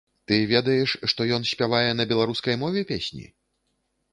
Ты ведаеш, што ён спявае на беларускай мове песні?